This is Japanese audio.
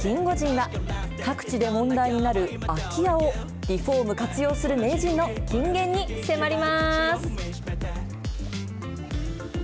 キンゴジンは、各地で問題になる空き家をリフォーム活用する名人の金言に迫ります。